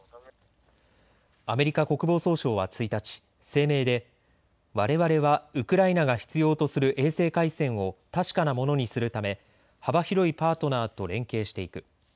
アメリカ国防総省は１日、声明でわれわれはウクライナが必要とする衛星回線を確かなものにするため幅広いパートナーと連携していく。